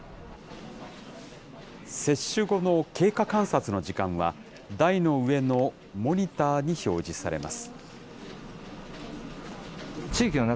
接種後の経過観察の時間は、台の上のモニターに表示されます。